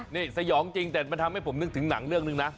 นี่สยองจริงแต่มันทำให้ผมนึกถึงหนังเรื่องหนึ่งนะ